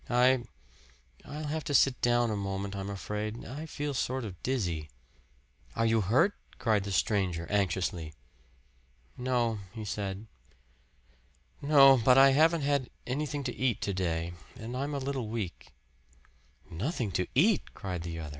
"I I'll have to sit down a moment, I'm afraid. I feel sort of dizzy." "Are you hurt?" cried the stranger anxiously. "No," he said "no, but I haven't had anything to eat to day, and I'm a little weak." "Nothing to eat!" cried the other.